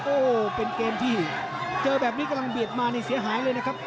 โอ้โหเป็นเกมที่เจอแบบนี้กำลังเบียดมานี่เสียหายเลยนะครับ